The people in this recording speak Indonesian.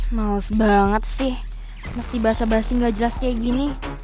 males banget sih mesti basah basi gak jelas kayak gini